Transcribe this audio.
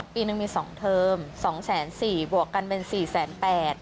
ปีนึงมีสองเทอมสองแสนสี่บวกกันเป็นสี่แสนแปด